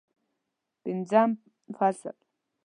پنځم فصل